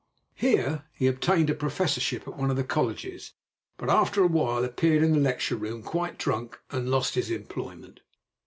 Here he obtained a professorship at one of the colleges, but after a while appeared in the lecture room quite drunk and lost his employment.